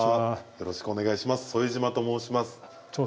よろしくお願いします。